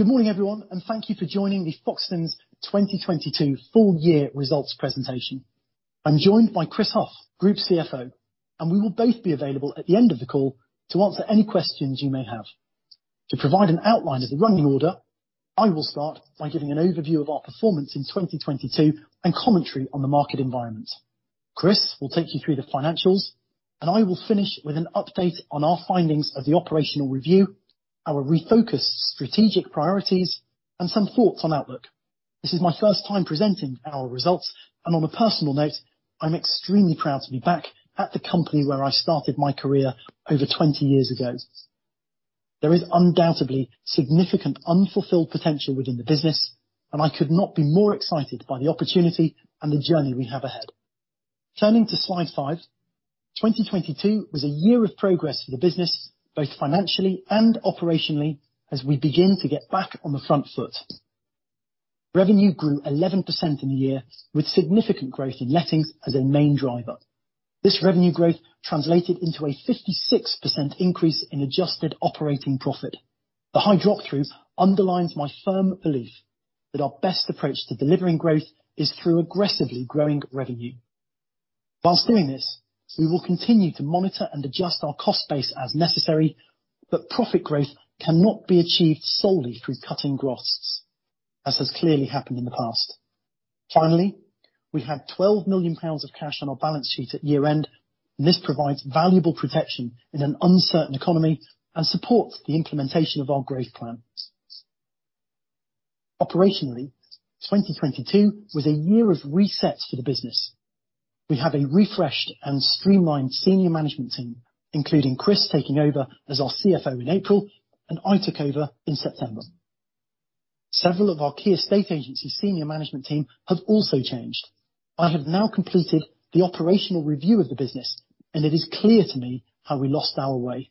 Good morning everyone. Thank you for joining the Foxtons 2022 full year results presentation. I'm joined by Chris Hough, Group CFO. We will both be available at the end of the call to answer any questions you may have. To provide an outline of the running order, I will start by giving an overview of our performance in 2022 and commentary on the market environment. Chris will take you through the financials. I will finish with an update on our findings of the operational review, our refocused strategic priorities, and some thoughts on outlook. This is my first time presenting our results. On a personal note, I'm extremely proud to be back at the company where I started my career over 20 years ago. There is undoubtedly significant unfulfilled potential within the business, and I could not be more excited by the opportunity and the journey we have ahead. Turning to Slide five, 2022 was a year of progress for the business, both financially and operationally, as we begin to get back on the front foot. Revenue grew 11% in the year, with significant growth in lettings as a main driver. This revenue growth translated into a 56% increase in adjusted operating profit. The high drop-through underlines my firm belief that our best approach to delivering growth is through aggressively growing revenue. While doing this, we will continue to monitor and adjust our cost base as necessary, but profit growth cannot be achieved solely through cutting costs, as has clearly happened in the past. Finally, we had 12 million pounds of cash on our balance sheet at year-end. This provides valuable protection in an uncertain economy and supports the implementation of our growth plans. Operationally, 2022 was a year of reset for the business. We have a refreshed and streamlined senior management team, including Chris taking over as our CFO in April. I took over in September. Several of our key estate agency's senior management team have also changed. I have now completed the operational review of the business. It is clear to me how we lost our way.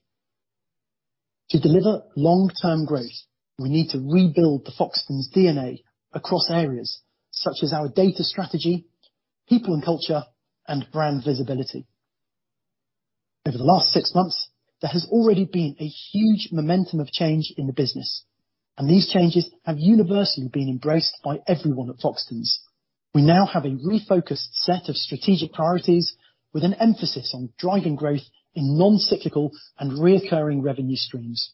To deliver long-term growth, we need to rebuild the Foxtons DNA across areas such as our data strategy, people and culture, and brand visibility. Over the last six months, there has already been a huge momentum of change in the business, and these changes have universally been embraced by everyone at Foxtons. We now have a refocused set of strategic priorities with an emphasis on driving growth in non-cyclical and recurring revenue streams.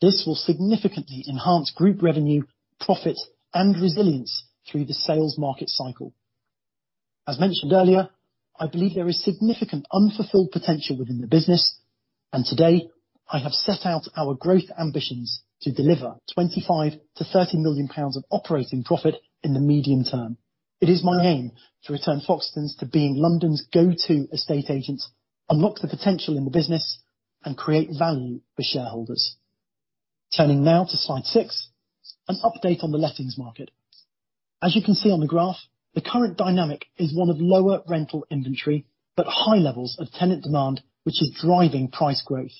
This will significantly enhance group revenue, profit, and resilience through the sales market cycle. As mentioned earlier, I believe there is significant unfulfilled potential within the business, and today I have set out our growth ambitions to deliver 25 million-30 million pounds of operating profit in the medium term. It is my aim to return Foxtons to being London's go-to estate agent, unlock the potential in the business, and create value for shareholders. Turning now to Slide six, an update on the lettings market. You can see on the graph, the current dynamic is one of lower rental inventory, high levels of tenant demand, which is driving price growth.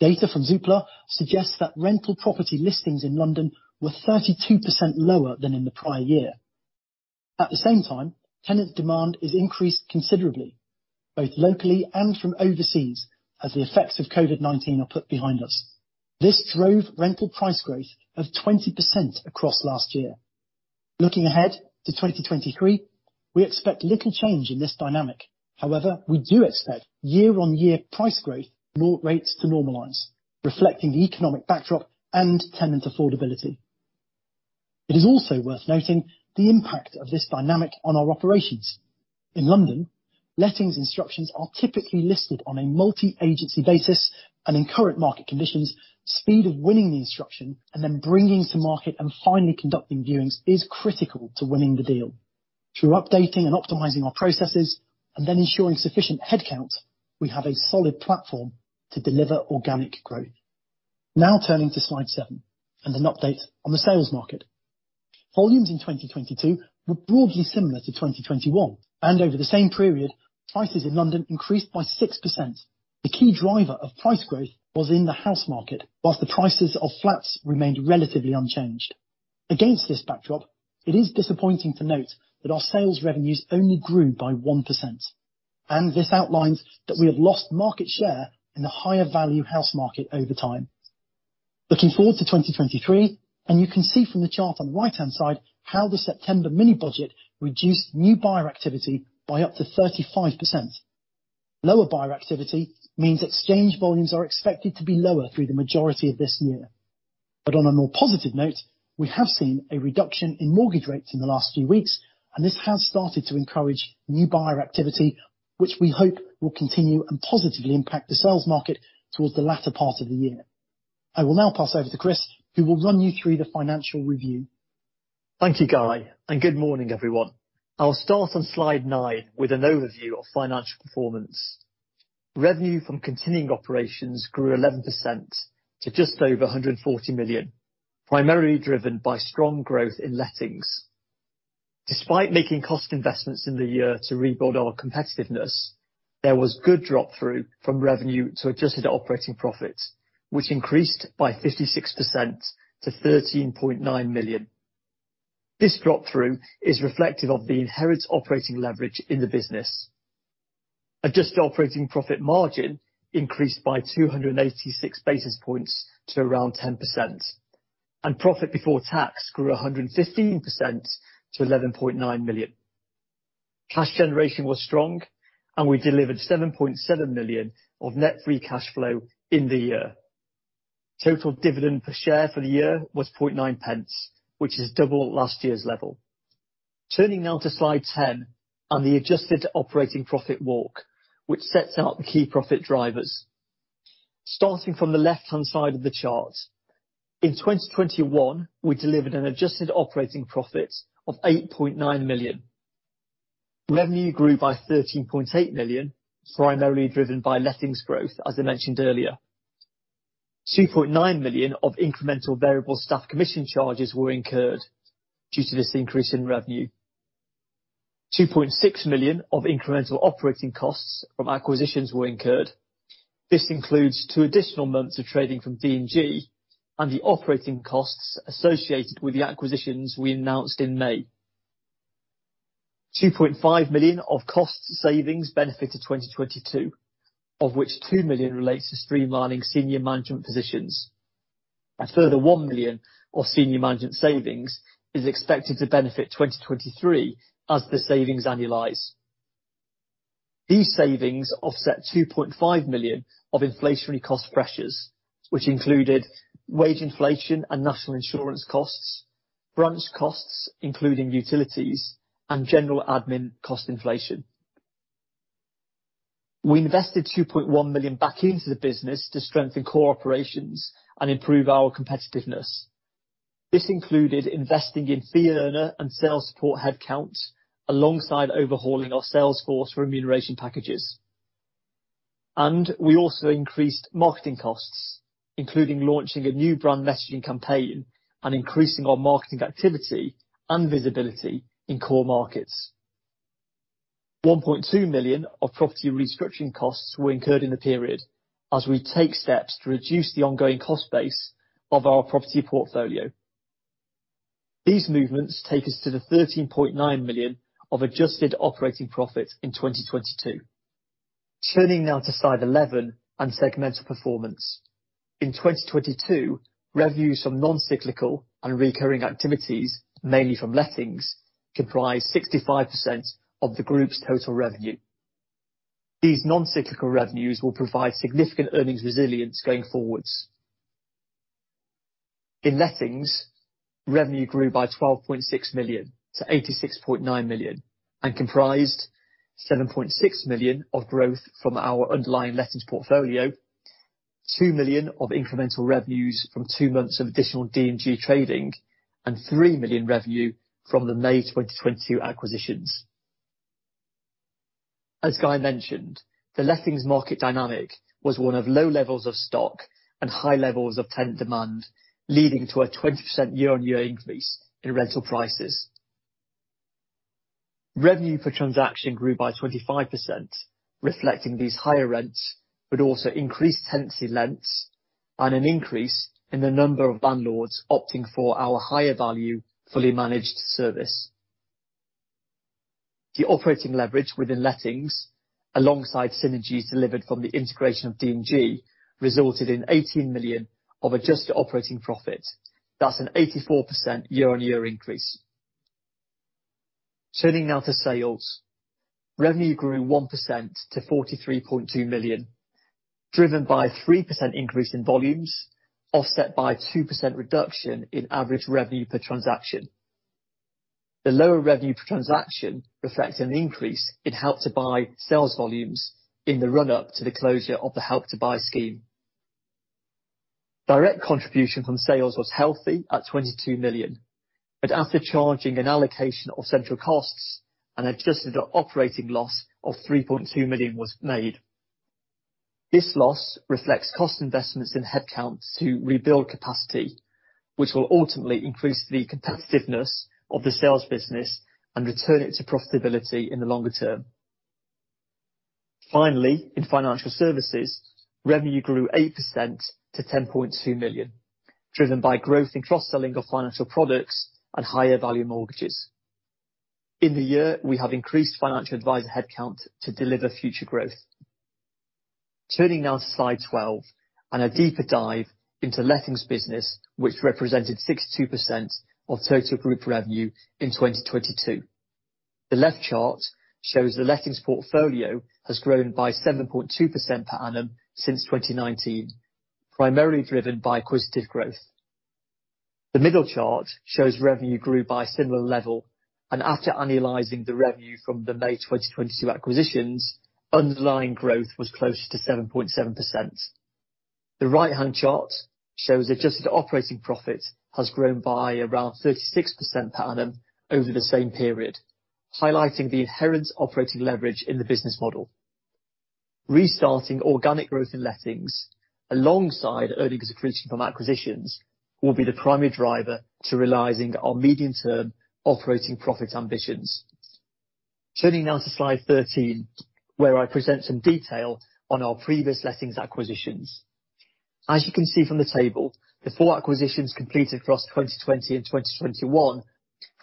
Data from Zoopla suggests that rental property listings in London were 32% lower than in the prior year. At the same time, tenant demand is increased considerably, both locally and from overseas, as the effects of COVID-19 are put behind us. This drove rental price growth of 20% across last year. Looking ahead to 2023, we expect little change in this dynamic. We do expect year-on-year price growth rates to normalize, reflecting the economic backdrop and tenant affordability. It is also worth noting the impact of this dynamic on our operations. In London, lettings instructions are typically listed on a multi-agency basis. In current market conditions, speed of winning the instruction and then bringing to market and finally conducting viewings is critical to winning the deal. Through updating and optimizing our processes and then ensuring sufficient headcount, we have a solid platform to deliver organic growth. Turning to Slide seven and an update on the sales market. Volumes in 2022 were broadly similar to 2021. Over the same period, prices in London increased by 6%. The key driver of price growth was in the house market, while the prices of flats remained relatively unchanged. Against this backdrop, it is disappointing to note that our sales revenues only grew by 1%. This outlines that we have lost market share in the higher value house market over time. Looking forward to 2023, you can see from the chart on the right-hand side how the September mini-Budget reduced new buyer activity by up to 35%. Lower buyer activity means exchange volumes are expected to be lower through the majority of this year. On a more positive note, we have seen a reduction in mortgage rates in the last few weeks, and this has started to encourage new buyer activity, which we hope will continue and positively impact the sales market towards the latter part of the year. I will now pass over to Chris, who will run you through the financial review. Thank you, Guy, and good morning, everyone. I'll start on Slide nine with an overview of financial performance. Revenue from continuing operations grew 11% to just over 140 million, primarily driven by strong growth in lettings. Despite making cost investments in the year to rebuild our competitiveness, there was good drop through from revenue to adjusted operating profits, which increased by 56% to 13.9 million. This drop through is reflective of the inherent operating leverage in the business. Adjusted operating profit margin increased by 286 basis points to around 10%, and profit before tax grew 100% to 11.9 million. Cash generation was strong and we delivered 7.7 million of net free cash flow in the year. Total dividend per share for the year was 0.9 pence, which is double last year's level. Turning now to Slide ten on the adjusted operating profit walk, which sets out the key profit drivers. Starting from the left-hand side of the chart. In 2021, we delivered an adjusted operating profit of 8.9 million. Revenue grew by 13.8 million, primarily driven by lettings growth, as I mentioned earlier. 2.9 million of incremental variable staff commission charges were incurred due to this increase in revenue. 2.6 million of incremental operating costs from acquisitions were incurred. This includes two additional months of trading from D&G and the operating costs associated with the acquisitions we announced in May. 2.5 million of cost savings benefited 2022, of which 2 million relates to streamlining senior management positions. A further 1 million of senior management savings is expected to benefit 2023 as the savings annualize. These savings offset 2.5 million of inflationary cost pressures, which included wage inflation and National Insurance costs, branch costs, including utilities, and general admin cost inflation. We invested 2.1 million back into the business to strengthen core operations and improve our competitiveness. This included investing in fee earner and sales support headcount, alongside overhauling our sales force remuneration packages. We also increased marketing costs, including launching a new brand messaging campaign and increasing our marketing activity and visibility in core markets. 1.2 million of property restructuring costs were incurred in the period as we take steps to reduce the ongoing cost base of our property portfolio. These movements take us to the 13.9 million of adjusted operating profit in 2022. Turning now to Slide 11 on segmental performance. In 2022, revenues from non-cyclical and recurring activities, mainly from lettings, comprised 65% of the group's total revenue. These non-cyclical revenues will provide significant earnings resilience going forwards. In lettings, revenue grew by 12.6 million to 86.9 million and comprised 7.6 million of growth from our underlying lettings portfolio, 2 million of incremental revenues from two months of additional D&G trading and 3 million revenue from the May 2022 acquisitions. As Guy mentioned, the lettings market dynamic was one of low levels of stock and high levels of tenant demand, leading to a 20% year-on-year increase in rental prices. Revenue per transaction grew by 25%, reflecting these higher rents, but also increased tenancy lengths and an increase in the number of landlords opting for our higher value fully managed service. The operating leverage within lettings, alongside synergies delivered from the integration of D&G, resulted in 18 million of adjusted operating profit. That's an 84% year-on-year increase. Turning now to sales. Revenue grew 1% to 43.2 million, driven by a 3% increase in volumes, offset by a 2% reduction in average revenue per transaction. The lower revenue per transaction reflects an increase in Help to Buy sales volumes in the run-up to the closure of the Help to Buy scheme. Direct contribution from sales was healthy at 22 million, but after charging an allocation of central costs, an adjusted operating loss of 3.2 million was made. This loss reflects cost investments in headcount to rebuild capacity, which will ultimately increase the competitiveness of the sales business and return it to profitability in the longer term. In financial services, revenue grew 8% to 10.2 million, driven by growth in cross-selling of financial products and higher value mortgages. In the year, we have increased financial advisor headcount to deliver future growth. Turning now to Slide 12 and a deeper dive into lettings business, which represented 62% of total group revenue in 2022. The left chart shows the lettings portfolio has grown by 7.2% per annum since 2019, primarily driven by acquisitive growth. The middle chart shows revenue grew by a similar level, and after annualizing the revenue from the May 2022 acquisitions, underlying growth was closer to 7.7%. The right-hand chart shows adjusted operating profit has grown by around 36% per annum over the same period, highlighting the inherent operating leverage in the business model. Restarting organic growth in lettings, alongside earnings increasing from acquisitions, will be the primary driver to realizing our medium-term operating profit ambitions. Turning now to Slide 13, where I present some detail on our previous lettings acquisitions. As you can see from the table, the four acquisitions completed across 2020 and 2021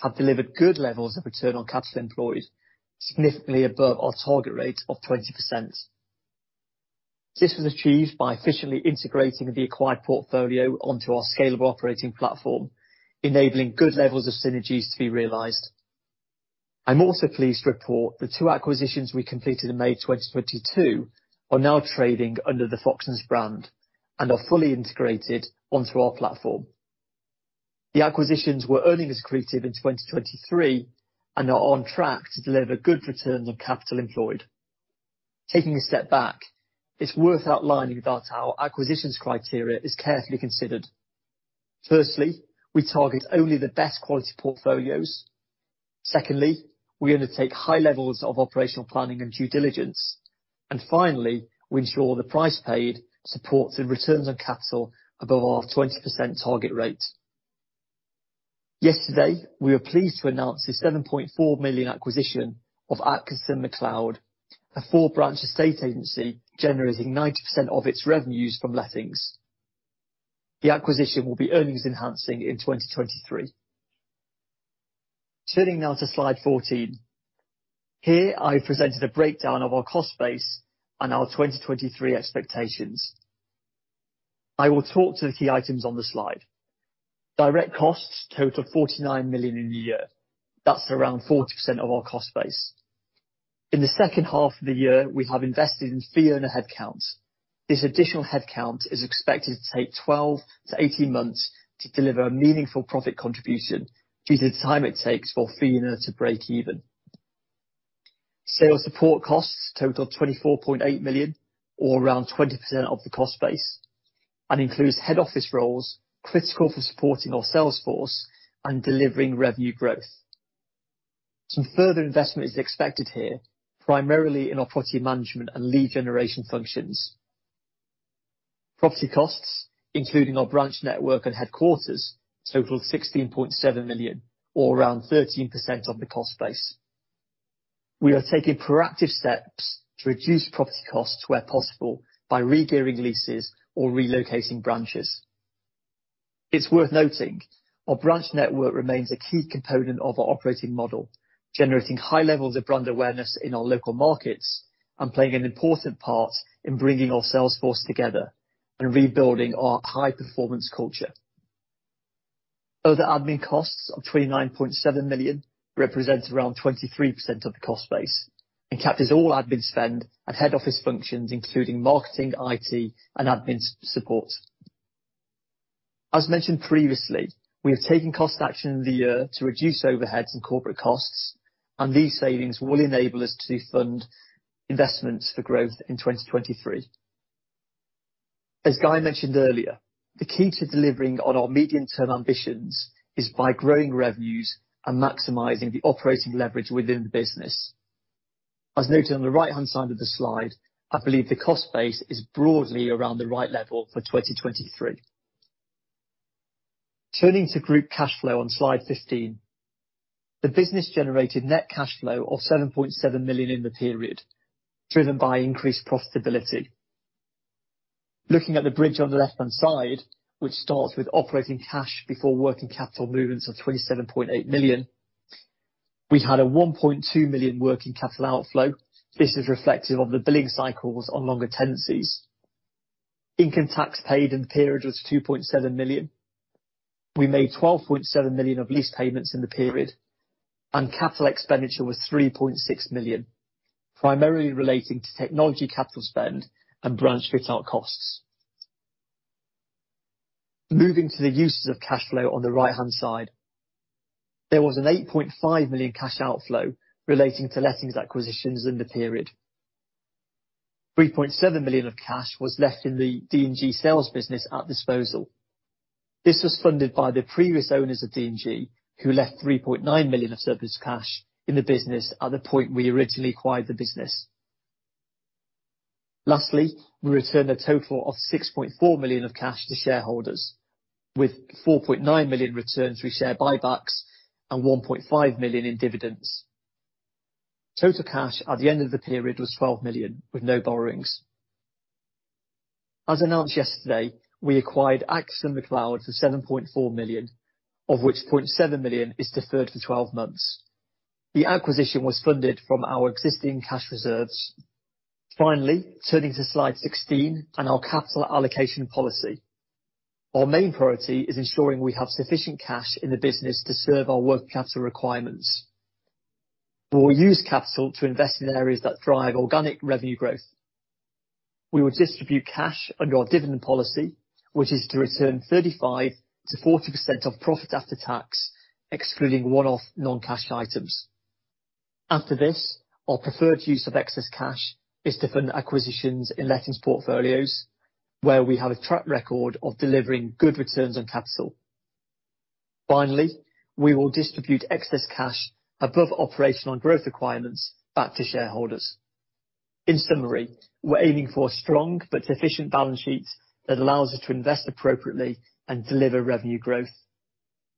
have delivered good levels of return on capital employed, significantly above our target rate of 20%. This was achieved by efficiently integrating the acquired portfolio onto our scalable operating platform, enabling good levels of synergies to be realized. I'm also pleased to report the two acquisitions we completed in May 2022 are now trading under the Foxtons brand and are fully integrated onto our platform. The acquisitions were earnings accretive in 2023 and are on track to deliver good returns on capital employed. Taking a step back, it's worth outlining that our acquisitions criteria is carefully considered. Firstly, we target only the best quality portfolios. Secondly, we undertake high levels of operational planning and due diligence. Finally, we ensure the price paid supports the returns on capital above our 20% target rate. Yesterday, we were pleased to announce the 7.4 million acquisition of Atkinson Mcleod, a 4-branch estate agency generating 90% of its revenues from lettings. The acquisition will be earnings-enhancing in 2023. Turning now to Slide 14. Here, I presented a breakdown of our cost base and our 2023 expectations. I will talk to the key items on the Slide. Direct costs total 49 million in the year. That's around 40% of our cost base. In the second half of the year, we have invested in fee earner headcount. This additional headcount is expected to take 12-18 months to deliver a meaningful profit contribution due to the time it takes for fee earner to break even. Sales support costs total 24.8 million or around 20% of the cost base, and includes head office roles critical for supporting our sales force and delivering revenue growth. Some further investment is expected here, primarily in our property management and lead generation functions. Property costs, including our branch network and headquarters, total 16.7 million or around 13% of the cost base. We are taking proactive steps to reduce property costs where possible by regearing leases or relocating branches. It's worth noting, our branch network remains a key component of our operating model, generating high levels of brand awareness in our local markets and playing an important part in bringing our sales force together and rebuilding our high-performance culture. Other admin costs of 29.7 million represents around 23% of the cost base, captures all admin spend and head office functions, including marketing, IT, and admin support. As mentioned previously, we have taken cost action in the year to reduce overheads and corporate costs. These savings will enable us to fund investments for growth in 2023. As Guy mentioned earlier, the key to delivering on our medium-term ambitions is by growing revenues and maximizing the operating leverage within the business. As noted on the right-hand side of the Slide, I believe the cost base is broadly around the right level for 2023. Turning to group cash flow on Slide 15. The business generated net cash flow of 7.7 million in the period, driven by increased profitability. Looking at the bridge on the left-hand side, which starts with operating cash before working capital movements of 27.8 million, we had a 1.2 million working capital outflow. This is reflective of the billing cycles on longer tenancies. Income tax paid in the period was 2.7 million. We made 12.7 million of lease payments in the period, and capital expenditure was 3.6 million, primarily relating to technology capital spend and branch fit-out costs. Moving to the uses of cash flow on the right-hand side, there was an 8.5 million cash outflow relating to lettings acquisitions in the period. 3.7 million of cash was left in the D&G sales business at disposal. This was funded by the previous owners of D&G, who left 3.9 million of surplus cash in the business at the point we originally acquired the business. Lastly, we returned a total of 6.4 million of cash to shareholders, with 4.9 million returned through share buybacks and 1.5 million in dividends. Total cash at the end of the period was 12 million with no borrowings. As announced yesterday, we acquired Atkinson Macleod for 7.4 million, of which 0.7 million is deferred for 12 months. The acquisition was funded from our existing cash reserves. Finally, turning to Slide 16 and our capital allocation policy. Our main priority is ensuring we have sufficient cash in the business to serve our working capital requirements. We will use capital to invest in areas that drive organic revenue growth. We will distribute cash under our dividend policy, which is to return 35%-40% of profit after tax, excluding one-off non-cash items. After this, our preferred use of excess cash is to fund acquisitions in lettings portfolios, where we have a track record of delivering good returns on capital. Finally, we will distribute excess cash above operational and growth requirements back to shareholders. In summary, we're aiming for a strong but sufficient balance sheet that allows us to invest appropriately and deliver revenue growth.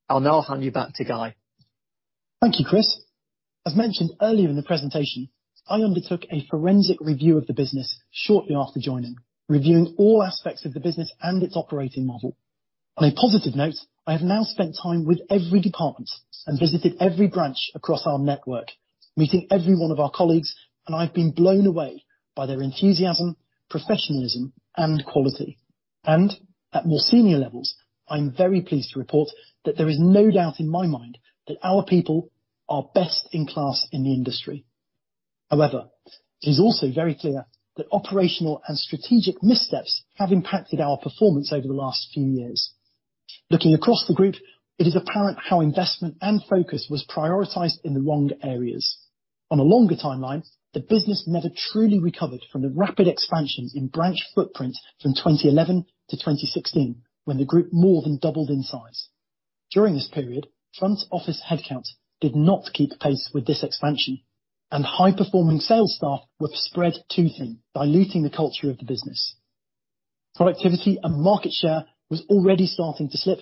I'll now hand you back to Guy. Thank you, Chris. As mentioned earlier in the presentation, I undertook a forensic review of the business shortly after joining, reviewing all aspects of the business and its operating model. On a positive note, I have now spent time with every department and visited every branch across our network, meeting every one of our colleagues, and I've been blown away by their enthusiasm, professionalism, and quality. At more senior levels, I'm very pleased to report that there is no doubt in my mind that our people are best in class in the industry. However, it is also very clear that operational and strategic missteps have impacted our performance over the last few years. Looking across the group, it is apparent how investment and focus was prioritized in the wrong areas. On a longer timeline, the business never truly recovered from the rapid expansion in branch footprint from 2011-2016, when the group more than doubled in size. During this period, front office headcount did not keep pace with this expansion, and high-performing sales staff were spread too thin, diluting the culture of the business. Productivity and market share was already starting to slip.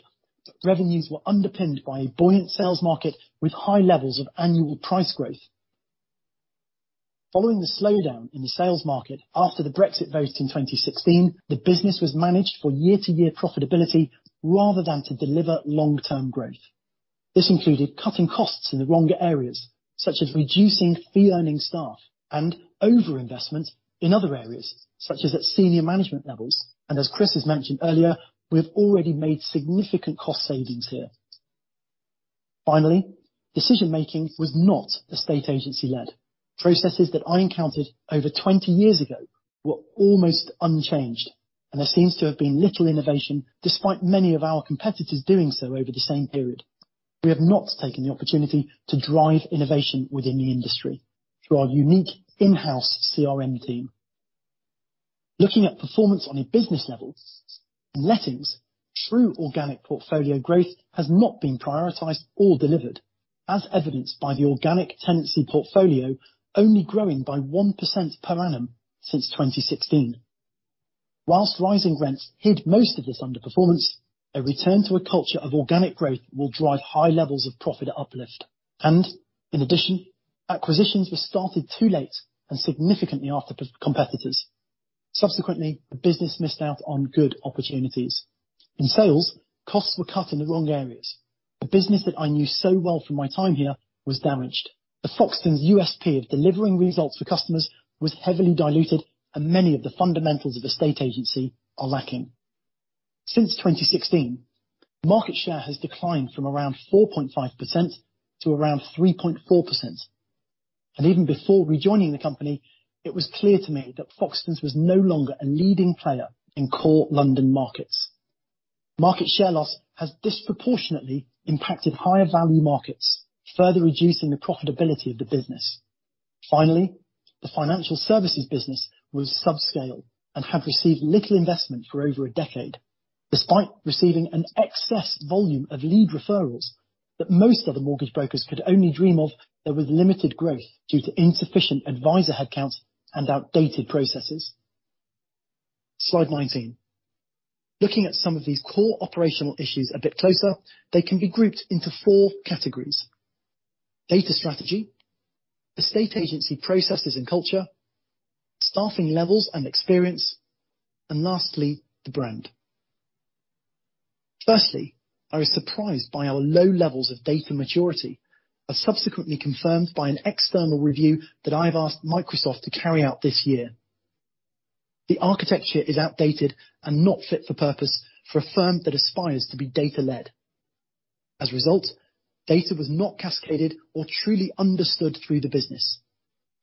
Revenues were underpinned by a buoyant sales market with high levels of annual price growth. Following the slowdown in the sales market after the Brexit vote in 2016, the business was managed for year-to-year profitability rather than to deliver long-term growth. This included cutting costs in the wrong areas, such as reducing fee-earning staff, and overinvestment in other areas, such as at senior management levels. As Chris has mentioned earlier, we have already made significant cost savings here. Finally, decision-making was not estate agency-led. Processes that I encountered over 20 years ago were almost unchanged. There seems to have been little innovation despite many of our competitors doing so over the same period. We have not taken the opportunity to drive innovation within the industry through our unique in-house CRM team. Looking at performance on a business level, lettings, true organic portfolio growth has not been prioritized or delivered, as evidenced by the organic tenancy portfolio only growing by 1% per annum since 2016. Whilst rising rents hid most of this underperformance, a return to a culture of organic growth will drive high levels of profit uplift. In addition, acquisitions were started too late and significantly after competitors. Subsequently, the business missed out on good opportunities. In sales, costs were cut in the wrong areas. The business that I knew so well from my time here was damaged. The Foxtons USP of delivering results for customers was heavily diluted, many of the fundamentals of estate agency are lacking. Since 2016, market share has declined from around 4.5% to around 3.4%. Even before rejoining the company, it was clear to me that Foxtons was no longer a leading player in core London markets. Market share loss has disproportionately impacted higher value markets, further reducing the profitability of the business. Finally, the financial services business was subscale and had received little investment for over a decade. Despite receiving an excess volume of lead referrals that most other mortgage brokers could only dream of, there was limited growth due to insufficient advisor headcounts and outdated processes. Slide 19. Looking at some of these core operational issues a bit closer, they can be grouped into four categories: data strategy, estate agency processes and culture, staffing levels and experience, and lastly, the brand. Firstly, I was surprised by our low levels of data maturity, as subsequently confirmed by an external review that I've asked Microsoft to carry out this year. The architecture is outdated and not fit for purpose for a firm that aspires to be data-led. As a result, data was not cascaded or truly understood through the business,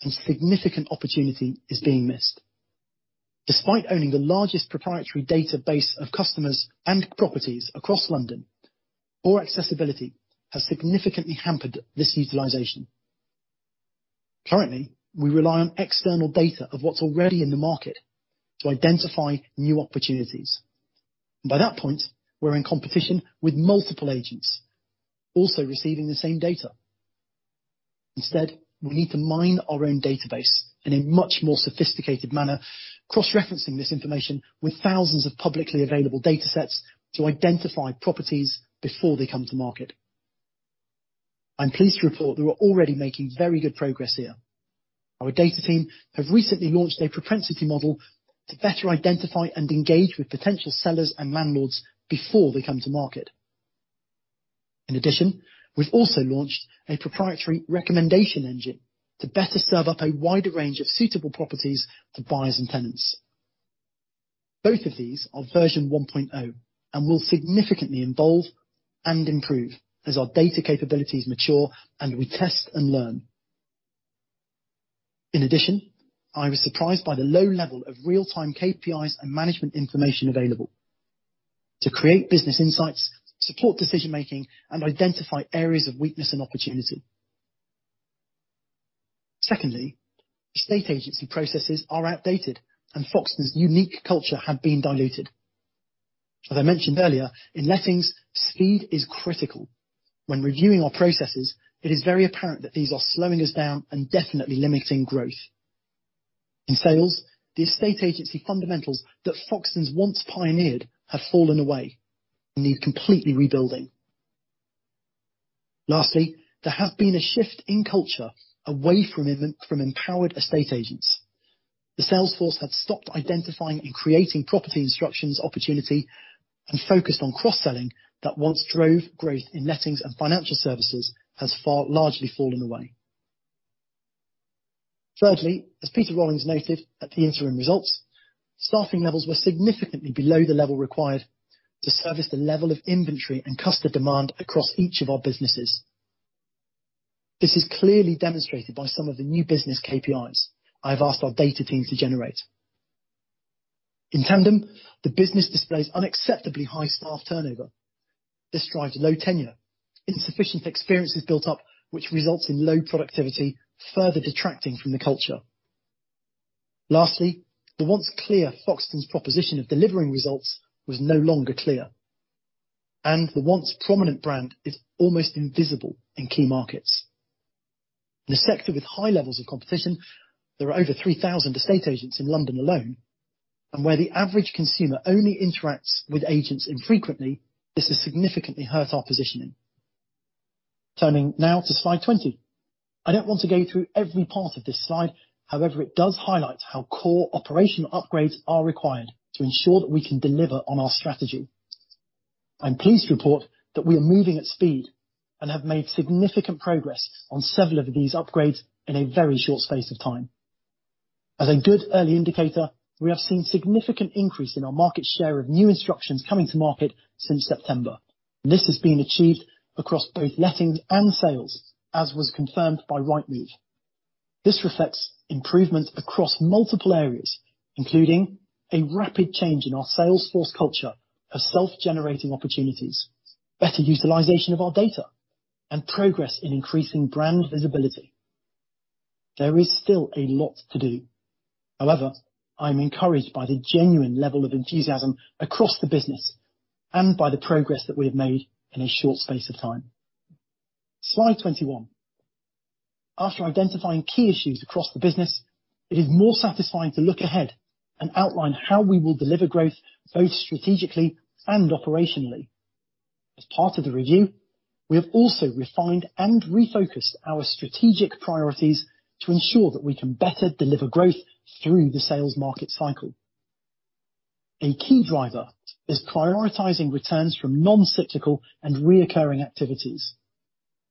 and significant opportunity is being missed. Despite owning the largest proprietary database of customers and properties across London, poor accessibility has significantly hampered this utilization. Currently, we rely on external data of what's already in the market to identify new opportunities. By that point, we're in competition with multiple agents also receiving the same data. Instead, we need to mine our own database in a much more sophisticated manner, cross-referencing this information with thousands of publicly available datasets to identify properties before they come to market. I'm pleased to report we are already making very good progress here. Our data team have recently launched a propensity model to better identify and engage with potential sellers and landlords before they come to market. In addition, we've also launched a proprietary recommendation engine to better serve up a wider range of suitable properties to buyers and tenants. Both of these are version 1.0 and will significantly evolve and improve as our data capabilities mature and we test and learn. In addition, I was surprised by the low level of real-time KPIs and management information available to create business insights, support decision-making, and identify areas of weakness and opportunity. Estate agency processes are outdated and Foxtons' unique culture had been diluted. As I mentioned earlier, in lettings, speed is critical. When reviewing our processes, it is very apparent that these are slowing us down and definitely limiting growth. In sales, the estate agency fundamentals that Foxtons once pioneered have fallen away and need completely rebuilding. There has been a shift in culture away from empowered estate agents. The sales force had stopped identifying and creating property instructions opportunity and focused on cross-selling that once drove growth in lettings and financial services has largely fallen away. As Peter Rollings noted at the interim results, staffing levels were significantly below the level required to service the level of inventory and customer demand across each of our businesses. This is clearly demonstrated by some of the new business KPIs I've asked our data team to generate. In tandem, the business displays unacceptably high staff turnover. This drives low tenure, insufficient experiences built up, which results in low productivity, further detracting from the culture. Lastly, the once clear Foxtons proposition of delivering results was no longer clear. The once prominent brand is almost invisible in key markets. In a sector with high levels of competition, there are over 3,000 estate agents in London alone, and where the average consumer only interacts with agents infrequently, this has significantly hurt our positioning. Turning now to Slide 20. I don't want to go through every part of this Slide. However, it does highlight how core operational upgrades are required to ensure that we can deliver on our strategy. I'm pleased to report that we are moving at speed and have made significant progress on several of these upgrades in a very short space of time. As a good early indicator, we have seen significant increase in our market share of new instructions coming to market since September. This has been achieved across both lettings and sales, as was confirmed by Rightmove. This reflects improvements across multiple areas, including a rapid change in our sales force culture of self-generating opportunities, better utilization of our data, and progress in increasing brand visibility. There is still a lot to do. I am encouraged by the genuine level of enthusiasm across the business and by the progress that we have made in a short space of time. Slide 21. After identifying key issues across the business, it is more satisfying to look ahead and outline how we will deliver growth both strategically and operationally. As part of the review, we have also refined and refocused our strategic priorities to ensure that we can better deliver growth through the sales market cycle. A key driver is prioritizing returns from non-cyclical and recurring activities.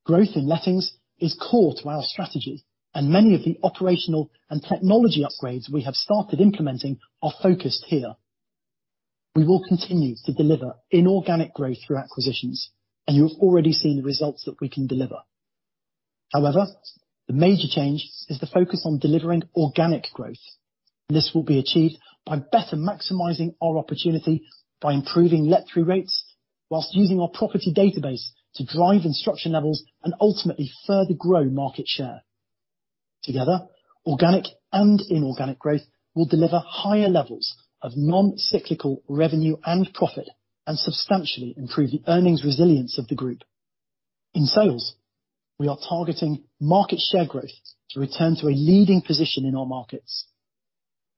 Growth in lettings is core to our strategy, and many of the operational and technology upgrades we have started implementing are focused here. We will continue to deliver inorganic growth through acquisitions, and you've already seen the results that we can deliver. The major change is the focus on delivering organic growth. This will be achieved by better maximizing our opportunity by improving let-through rates while using our property database to drive instruction levels and ultimately further grow market share. Together, organic and inorganic growth will deliver higher levels of non-cyclical revenue and profit and substantially improve the earnings resilience of the group. In sales, we are targeting market share growth to return to a leading position in our markets.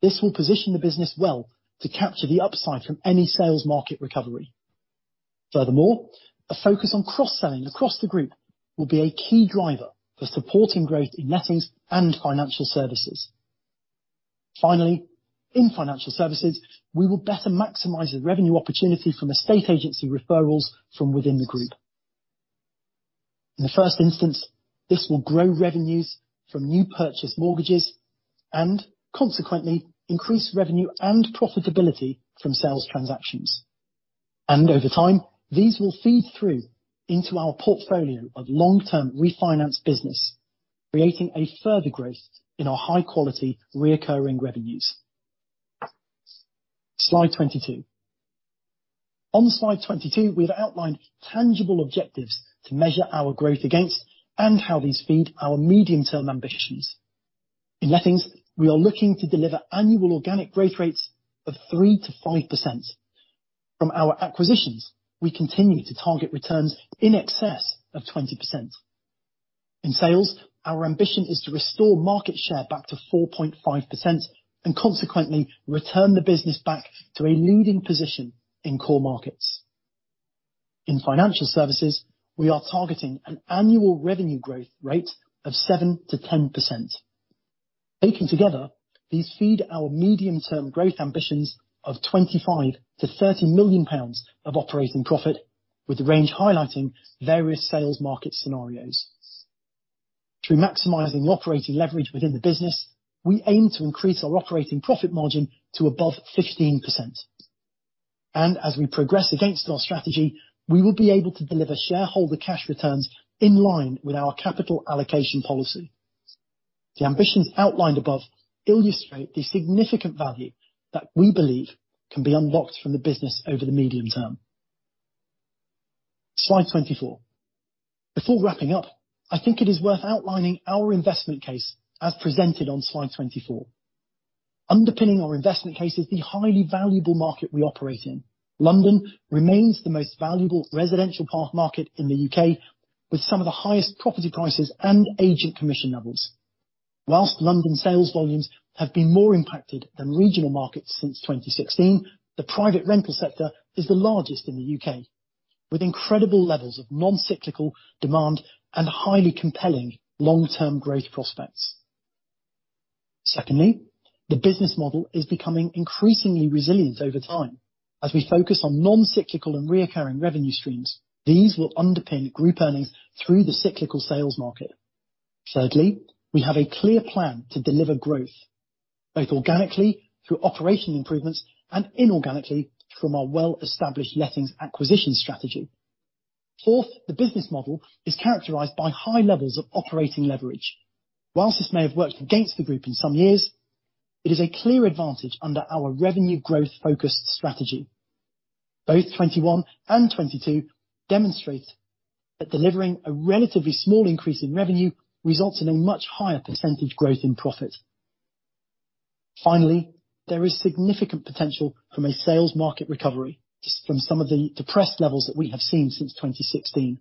This will position the business well to capture the upside from any sales market recovery. Furthermore, a focus on cross-selling across the group will be a key driver for supporting growth in lettings and financial services. Finally, in financial services, we will better maximize the revenue opportunity from estate agency referrals from within the group. In the first instance, this will grow revenues from new purchase mortgages and consequently increase revenue and profitability from sales transactions. Over time, these will feed through into our portfolio of long-term refinance business, creating a further growth in our high-quality recurring revenues. Slide 22. On Slide 22, we've outlined tangible objectives to measure our growth against and how these feed our medium-term ambitions. In lettings, we are looking to deliver annual organic growth rates of 3%-5%. From our acquisitions, we continue to target returns in excess of 20%. In sales, our ambition is to restore market share back to 4.5% and consequently return the business back to a leading position in core markets. In financial services, we are targeting an annual revenue growth rate of 7%-10%. Taken together, these feed our medium-term growth ambitions of 25 million-30 million pounds of operating profit, with the range highlighting various sales market scenarios. Through maximizing operating leverage within the business, we aim to increase our operating profit margin to above 15%. As we progress against our strategy, we will be able to deliver shareholder cash returns in line with our capital allocation policy. The ambitions outlined above illustrate the significant value that we believe can be unlocked from the business over the medium term. Slide 24. Before wrapping up, I think it is worth outlining our investment case as presented on Slide 24. Underpinning our investment case is the highly valuable market we operate in. London remains the most valuable residential property market in the U.K. with some of the highest property prices and agent commission levels. Whilst London sales volumes have been more impacted than regional markets since 2016, the private rental sector is the largest in the U.K., with incredible levels of non-cyclical demand and highly compelling long-term growth prospects. Secondly, the business model is becoming increasingly resilient over time. As we focus on non-cyclical and reoccurring revenue streams, these will underpin group earnings through the cyclical sales market. We have a clear plan to deliver growth, both organically through operation improvements and inorganically from our well-established lettings acquisition strategy. The business model is characterized by high levels of operating leverage. Whilst this may have worked against the group in some years, it is a clear advantage under our revenue growth focused strategy. Both 21 and 22 demonstrate that delivering a relatively small increase in revenue results in a much higher percentage growth in profit. There is significant potential from a sales market recovery from some of the depressed levels that we have seen since 2016.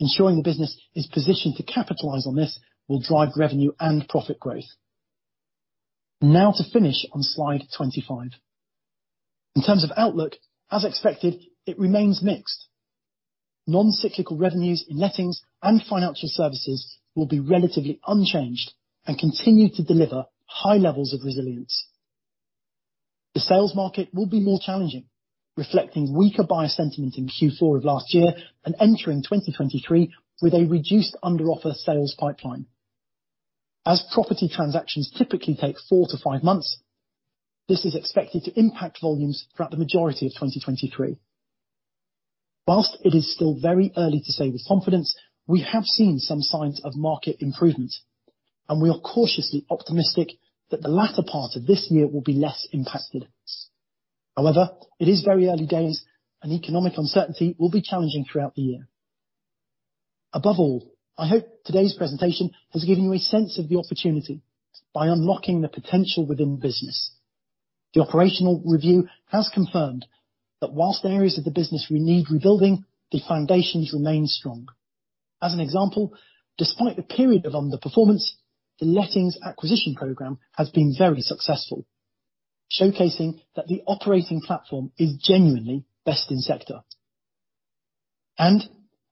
Ensuring the business is positioned to capitalize on this will drive revenue and profit growth. To finish on Slide 25. In terms of outlook, as expected, it remains mixed. Non-cyclical revenues in lettings and financial services will be relatively unchanged and continue to deliver high levels of resilience. The sales market will be more challenging, reflecting weaker buyer sentiment in Q4 of last year and entering 2023 with a reduced under offer sales pipeline. As property transactions typically take 4-5 months, this is expected to impact volumes throughout the majority of 2023. While it is still very early to say with confidence, we have seen some signs of market improvement, and we are cautiously optimistic that the latter part of this year will be less impacted. However, it is very early days, and economic uncertainty will be challenging throughout the year. Above all, I hope today's presentation has given you a sense of the opportunity by unlocking the potential within the business. The operational review has confirmed that while areas of the business will need rebuilding, the foundations remain strong. As an example, despite the period of underperformance, the lettings acquisition program has been very successful, showcasing that the operating platform is genuinely best in sector.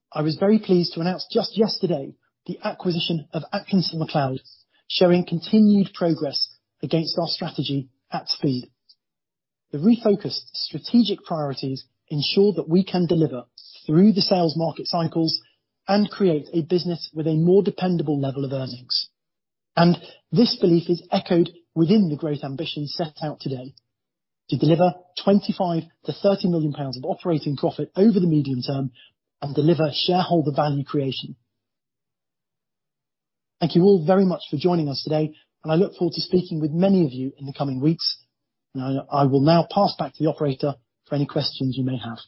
I was very pleased to announce just yesterday the acquisition of Atkinson McLeod, showing continued progress against our strategy at speed. The refocused strategic priorities ensure that we can deliver through the sales market cycles and create a business with a more dependable level of earnings. This belief is echoed within the growth ambition set out today. To deliver 25 million-30 million pounds of operating profit over the medium term and deliver shareholder value creation. Thank you all very much for joining us today, and I look forward to speaking with many of you in the coming weeks. I will now pass back to the operator for any questions you may have.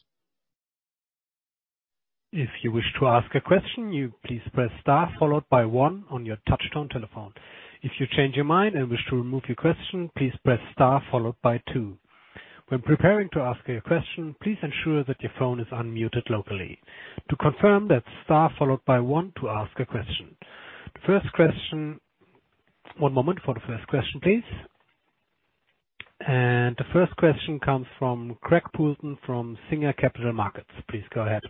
If you wish to ask a question, you please press star followed by one on your touch-tone telephone. If you change your mind and wish to remove your question, please press star followed by two. When preparing to ask a question, please ensure that your phone is unmuted locally. To confirm, that's star followed by one to ask a question. First question. One moment for the first question, please. The first question comes from Greg Poulton from Singer Capital Markets. Please go ahead.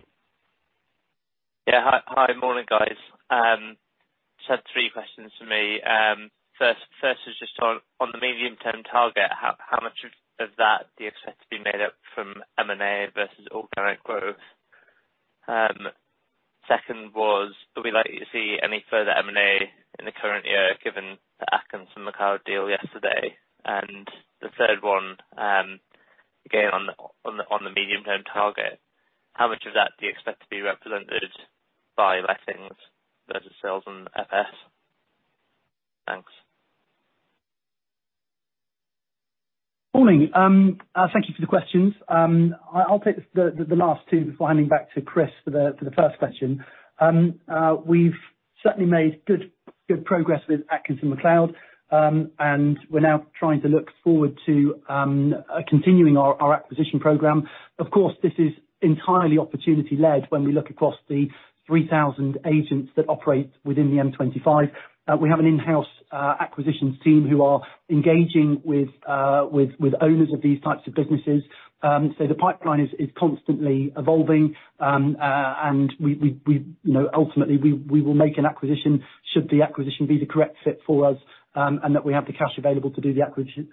Hi. Morning, guys. Just have three questions for me. First is just on the medium-term target, how much of that do you expect to be made up from M&A versus organic growth? Second was, will we likely see any further M&A in the current year given the Atkinson McLeod deal yesterday? The third one, again, on the medium-term target, how much of that do you expect to be represented by lettings versus sales and FS? Thanks. Morning. Thank you for the questions. I'll take the last two before handing back to Chris for the first question. We've certainly made good progress with Atkinson McLeod, and we're now trying to look forward to continuing our acquisition program. This is entirely opportunity-led when we look across the 3,000 agents that operate within the M25. We have an in-house acquisitions team who are engaging with owners of these types of businesses. The pipeline is constantly evolving, and we, you know, ultimately we will make an acquisition should the acquisition be the correct fit for us, and that we have the cash available to do the acquisition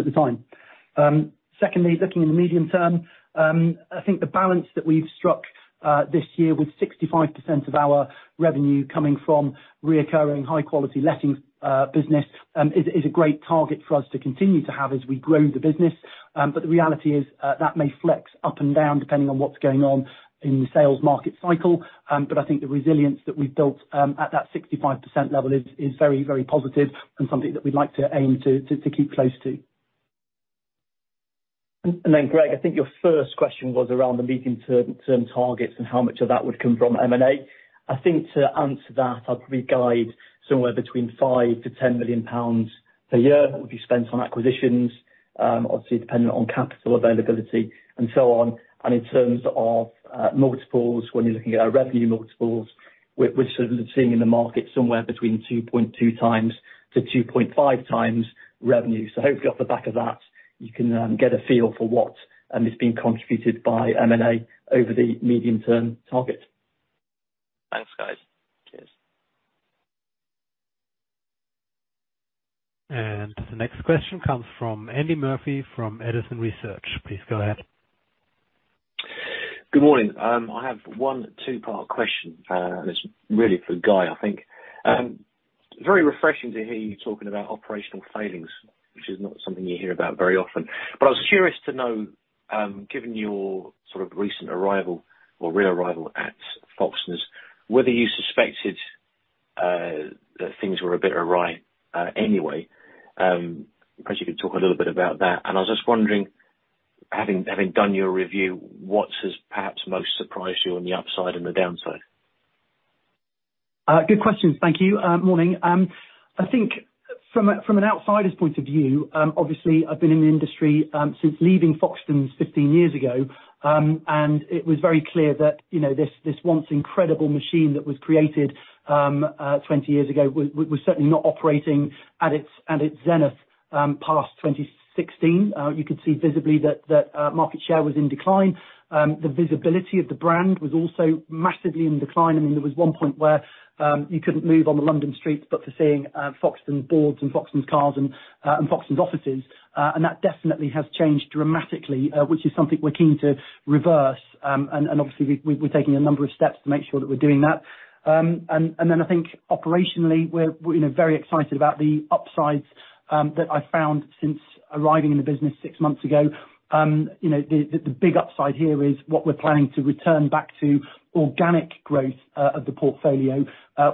at the time. secondly, looking in the medium term, I think the balance that we've struck, this year, with 65% of our revenue coming from recurring high-quality lettings, business, is a great target for us to continue to have as we grow the business. The reality is, that may flex up and down depending on what's going on in the sales market cycle. I think the resilience that we've built, at that 65% level is very, very positive and something that we'd like to aim to keep close to. Then, Greg, I think your first question was around the medium-term targets and how much of that would come from M&A. I think to answer that, I'd probably guide somewhere between 5 million-10 million pounds a year would be spent on acquisitions. Obviously dependent on capital availability and so on. In terms of multiples, when you're looking at our revenue multiples, we're sort of seeing in the market somewhere between 2.2x-2.5x revenue. Hopefully off the back of that, you can get a feel for what is being contributed by M&A over the medium-term target. Thanks guys. Cheers. The next question comes from Andy Murphy from Edison Group. Please go ahead. Good morning. I have one two-part question. It's really for Guy, I think. Very refreshing to hear you talking about operational failings, which is not something you hear about very often. I was curious to know, given your sort of recent arrival or re-arrival at Foxtons, whether you suspected that things were a bit awry anyway. Perhaps you could talk a little bit about that. I was just wondering, having done your review, what has perhaps most surprised you on the upside and the downside? Good questions. Thank you. Morning. I think from an outsider's point of view, obviously, I've been in the industry, since leaving Foxtons 15 years ago. It was very clear that, you know, this once incredible machine that was created, 20 years ago, was certainly not operating at its zenith, past 2016. You could see visibly that, market share was in decline. The visibility of the brand was also massively in decline. I mean, there was one point where, you couldn't move on the London streets but for seeing, Foxtons boards and Foxtons cards, and Foxtons offices. That definitely has changed dramatically, which is something we're keen to reverse. Obviously we're taking a number of steps to make sure that we're doing that. Then I think operationally we're, you know, very excited about the upsides that I've found since arriving in the business six months ago. You know, the big upside here is what we're planning to return back to organic growth of the portfolio,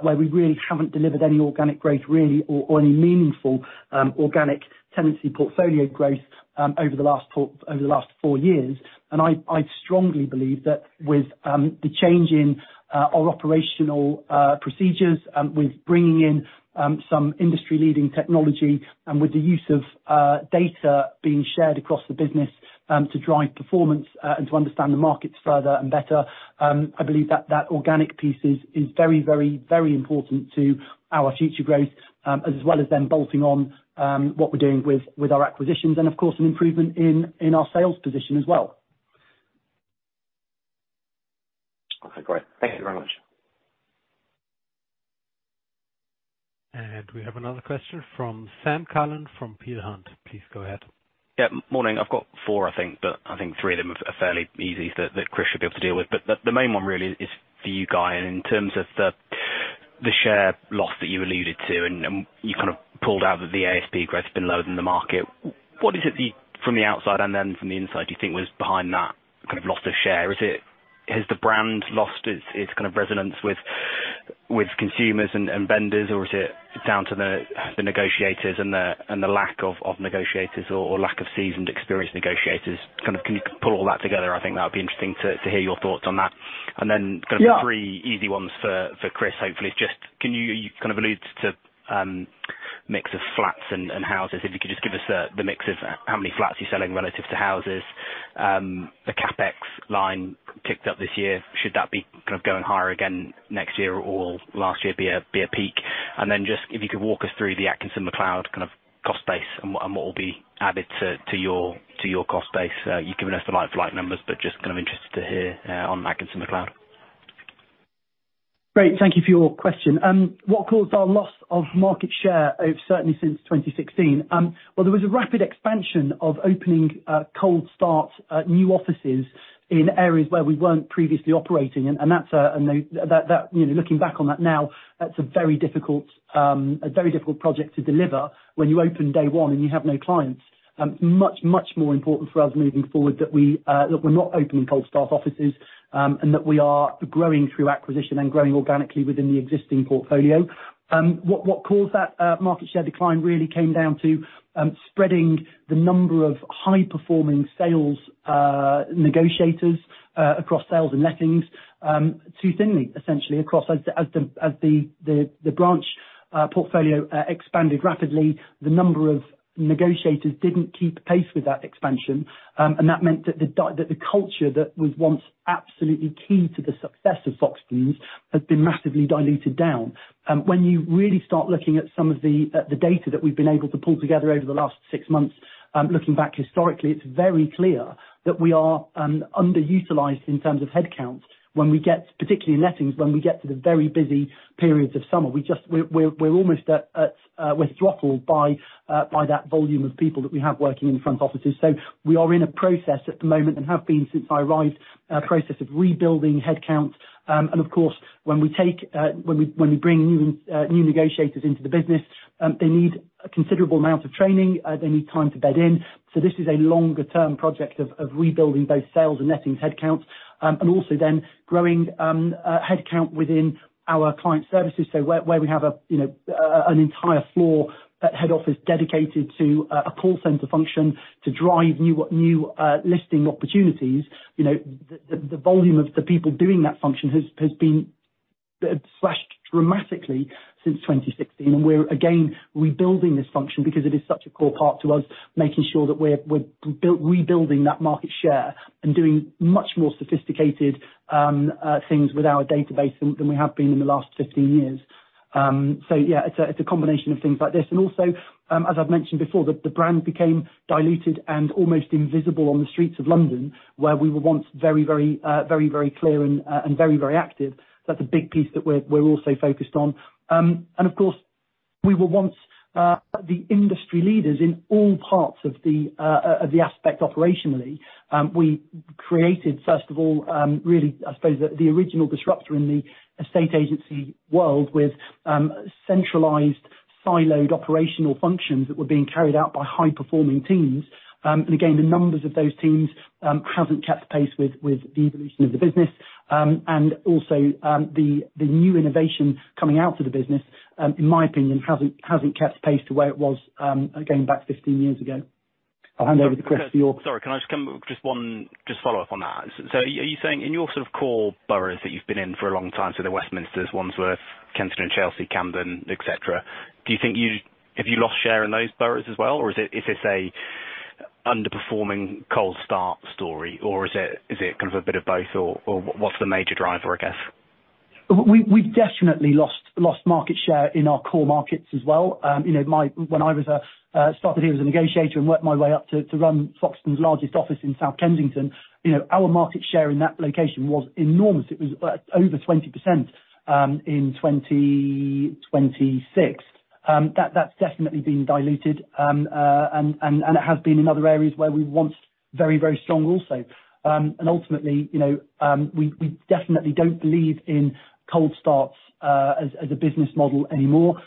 where we really haven't delivered any organic growth really, or any meaningful organic tenancy portfolio growth over the last four years. I strongly believe that with the change in our operational procedures, with bringing in some industry-leading technology and with the use of data being shared across the business, to drive performance and to understand the markets further and better, I believe that that organic piece is very, very, very important to our future growth, as well as then bolting on what we're doing with our acquisitions and of course, an improvement in our sales position as well. Okay. Great. Thank you very much. We have another question from Sam Cullen from Peel Hunt. Please go ahead. Yeah. Morning. I've got four I think, but I think three of them are fairly easy that Chris should be able to deal with. The, the main one really is for you Guy, in terms of the share loss that you alluded to, and you kind of pulled out that the ASP growth has been lower than the market. What is it that from the outside and then from the inside, do you think was behind that kind of loss of share? Has the brand lost its kind of resonance with consumers and vendors, or is it down to the negotiators and the, and the lack of negotiators or lack of seasoned experienced negotiators? Can you pull all that together? I think that would be interesting to hear your thoughts on that. Yeah. Kind of three easy ones for Chris, hopefully. Just, can you? You kind of alluded to mix of flats and houses. If you could just give us the mix of how many flats you're selling relative to houses. The CapEx line ticked up this year. Should that be kind of going higher again next year or last year be a peak? Just if you could walk us through the Atkinson McLeod kind of cost base and what will be added to your cost base. You've given us the like-for-like numbers, but just kind of interested to hear on Atkinson McLeod. Great. Thank you for your question. What caused our loss of market share certainly since 2016? Well, there was a rapid expansion of opening cold start new offices in areas where we weren't previously operating, and that's a, you know, looking back on that now, that's a very difficult, a very difficult project to deliver when you open day one and you have no clients. Much more important for us moving forward that we're not opening cold start offices, and that we are growing through acquisition and growing organically within the existing portfolio. What caused that market share decline really came down to spreading the number of high-performing sales negotiators across sales and lettings too thinly, essentially, as the branch portfolio expanded rapidly, the number of negotiators didn't keep pace with that expansion. That meant that the culture that was once absolutely key to the success of Foxtons had been massively diluted down. When you really start looking at some of the data that we've been able to pull together over the last six months, looking back historically, it's very clear that we are underutilized in terms of headcounts when we get, particularly in lettings, when we get to the very busy periods of summer. We're almost at, we're throttled by that volume of people that we have working in the front offices. We are in a process at the moment, and have been since I arrived, a process of rebuilding headcounts. Of course, when we take when we bring new negotiators into the business, they need a considerable amount of training, they need time to bed in. This is a longer term project of rebuilding both sales and lettings headcounts, and also then growing headcount within our client services. Where we have a, you know, an entire floor at head office dedicated to a call center function to drive new listing opportunities. You know, the volume of the people doing that function has been slashed dramatically since 2016. We're again rebuilding this function because it is such a core part to us, making sure that we're rebuilding that market share and doing much more sophisticated things with our database than we have been in the last 15 years. Yeah, it's a combination of things like this. Also, as I've mentioned before, the brand became diluted and almost invisible on the streets of London, where we were once very, very clear and very, very active. That's a big piece that we're also focused on. Of course, we were once the industry leaders in all parts of the aspect operationally. We created, first of all, really, I suppose the original disruptor in the estate agency world with centralized, siloed operational functions that were being carried out by high-performing teams. Again, the numbers of those teams hasn't kept pace with the evolution of the business. Also, the new innovation coming out of the business, in my opinion, hasn't kept pace to where it was, again back 15 years ago. I'll hand over to Chris for your- Sorry, can I just come with just one follow-up on that? Are you saying in your sort of core boroughs that you've been in for a long time, so the Westminster, Wandsworth, Kensington and Chelsea, Camden, et cetera, have you lost share in those boroughs as well? Or is this an underperforming cold start story, or is it kind of a bit of both or what's the major driver, I guess? We've definitely lost market share in our core markets as well. You know, when I was a negotiator and worked my way up to run Foxtons largest office in South Kensington, you know, our market share in that location was enormous. It was over 20% in 2026. That's definitely been diluted, and it has been in other areas where we were once very, very strong also. Ultimately, you know, we definitely don't believe in cold starts as a business model anymore,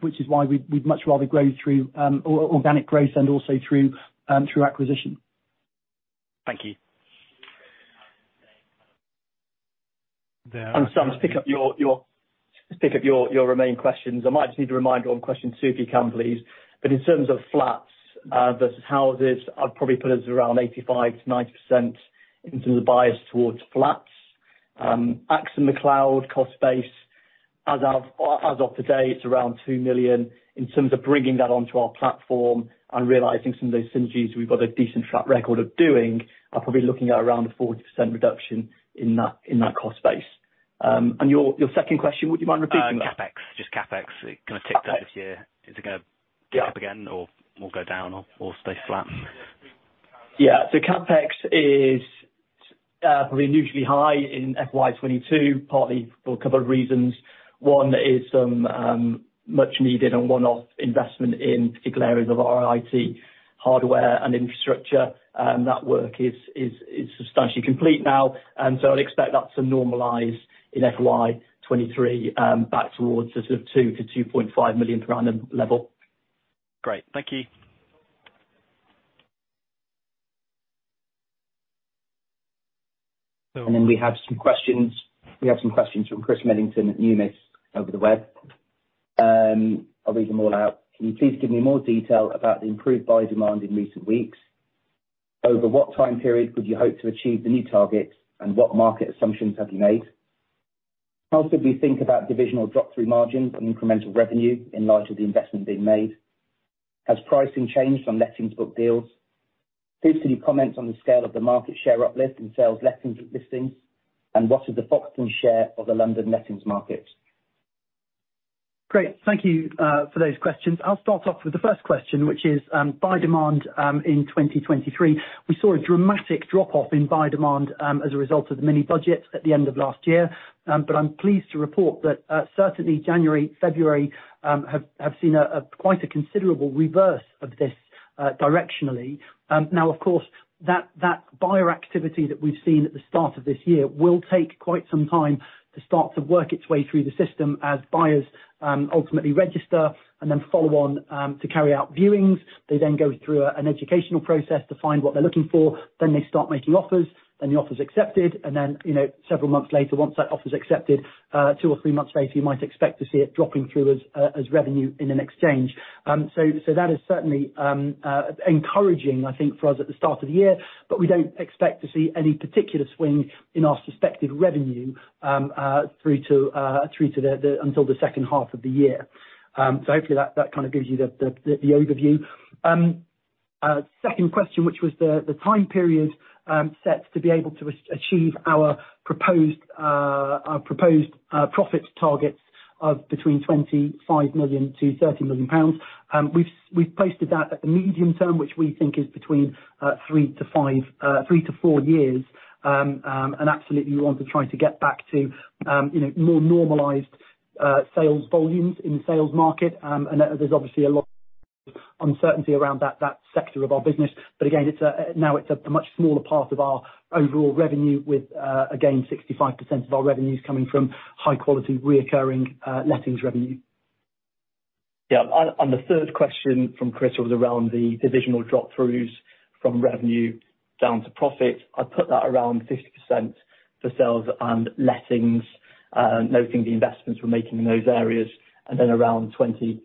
which is why we'd much rather grow through organic growth and also through acquisition. Thank you. Sam, to pick up your remaining questions, I might just need a reminder on question two, if you can, please. In terms of flats, versus houses, I'd probably put us around 85%-90% in terms of bias towards flats. Atkinson McLeod cost base, as of today, it's around 2 million. In terms of bringing that onto our platform and realizing some of those synergies we've got a decent track record of doing, are probably looking at around a 40% reduction in that cost base. your second question, would you mind repeating that? CapEx. Just CapEx. It kinda ticked up this year. Okay. Is it gonna go up again or go down or stay flat? CapEx is probably unusually high in FY 2022, partly for a couple of reasons. One is some much needed and one-off investment in particular areas of our IT hardware and infrastructure, that work is substantially complete now. I'd expect that to normalize in FY 2023, back towards the sort of 2 million-2.5 million level. Great. Thank you. Then we have some questions, we have some questions from Chris Millington at Numis over the web. I'll read them all out. Can you please give me more detail about the improved buyer demand in recent weeks? Over what time period would you hope to achieve the new targets, and what market assumptions have you made? How could we think about divisional drop-through margins and incremental revenue in light of the investment being made? Has pricing changed from lettings book deals? Please can you comment on the scale of the market share uplift in sales lettings listings, and what is the Foxtons share of the London lettings market? Great. Thank you for those questions. I'll start off with the first question, which is, buy-demand in 2023. We saw a dramatic drop-off in buy-demand, as a result of the mini-Budget at the end of last year. I'm pleased to report that certainly January, February, have seen a quite a considerable reverse of this directionally. Now, of course, that buyer activity that we've seen at the start of this year will take quite some time to start to work its way through the system as buyers ultimately register and then follow on to carry out viewings. They then go through an educational process to find what they're looking for. Then they start making offers, then the offer's accepted, and then, you know, several months later, once that offer's accepted, two or three months later, you might expect to see it dropping through as revenue in an exchange. That is certainly encouraging, I think, for us at the start of the year, but we don't expect to see any particular swing in our suspected revenue through to the until the second half of the year. Hopefully that kinda gives you the overview. Second question, which was the time period set to be able to achieve our proposed profit targets of between 25 million-30 million pounds. We've posted that at the medium term, which we think is between 3-5, 3-4 years. Absolutely we want to try to get back to, you know, more normalized sales volumes in the sales market. There's obviously a lot of uncertainty around that sector of our business. Again, it's now a much smaller part of our overall revenue with again, 65% of our revenues coming from high quality recurring lettings revenue. Yeah. And the third question from Chris was around the divisional drop-throughs from revenue down to profit. I'd put that around 50% for sales and lettings, noting the investments we're making in those areas, and then around 25%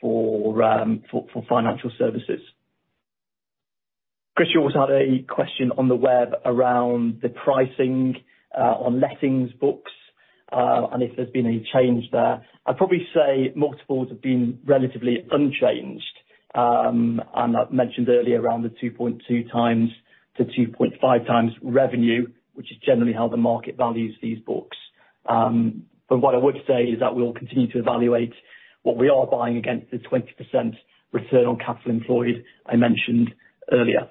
for financial services. Chris, you also had a question on the web around the pricing on lettings books, and if there's been any change there. I'd probably say multiples have been relatively unchanged. I've mentioned earlier around the 2.2x-2.5x revenue, which is generally how the market values these books. What I would say is that we'll continue to evaluate what we are buying against the 20% return on capital employed I mentioned earlier.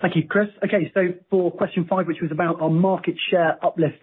Thank you, Chris. Okay, for question five, which was about our market share uplift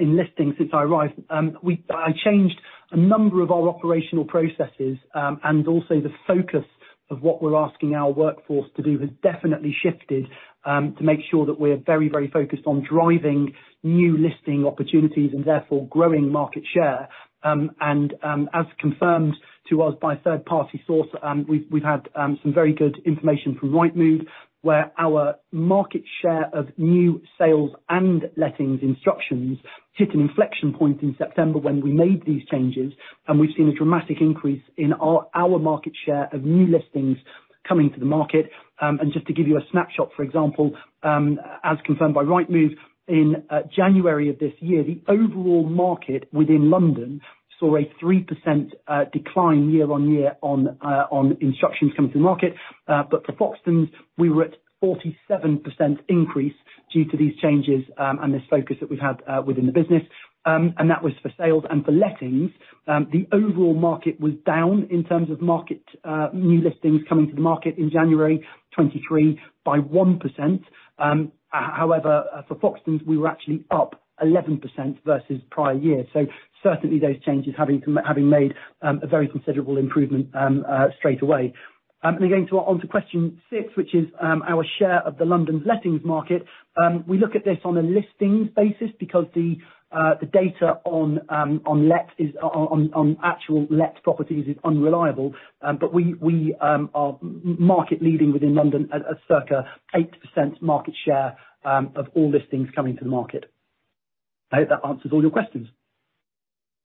in listings since I arrived. I changed a number of our operational processes, and also the focus of what we're asking our workforce to do has definitely shifted to make sure that we are very, very focused on driving new listing opportunities and therefore growing market share. As confirmed to us by third-party source, we've had some very good information from Rightmove, where our market share of new sales and lettings instructions hit an inflection point in September when we made these changes, and we've seen a dramatic increase in our market share of new listings coming to the market. Just to give you a snapshot, for example, as confirmed by Rightmove, in January of this year, the overall market within London saw a 3% decline year-over-year on instructions coming to the market. For Foxtons, we were at 47% increase due to these changes and this focus that we've had within the business, and that was for sales and for lettings. The overall market was down in terms of market new listings coming to the market in January 2023 by 1%. However, for Foxtons, we were actually up 11% versus prior year. Certainly those changes having made a very considerable improvement straight away. Again onto question six, which is our share of the London lettings market. We look at this on a listings basis because the data on on actual let properties is unreliable, but we are market leading within London at circa 8% market share of all listings coming to the market. I hope that answers all your questions.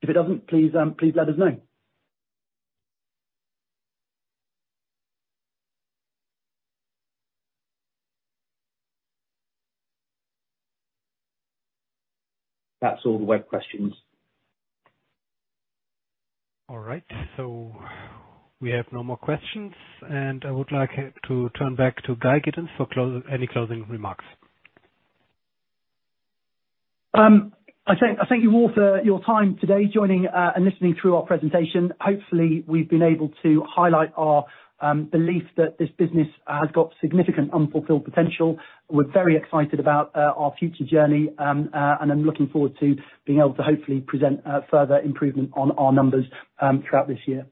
If it doesn't, please let us know. That's all the web questions. All right. We have no more questions, and I would like to turn back to Guy Gittins for any closing remarks. I thank you all for your time today joining and listening through our presentation. Hopefully, we've been able to highlight our belief that this business has got significant unfulfilled potential. We're very excited about our future journey and I'm looking forward to being able to hopefully present further improvement on our numbers throughout this year.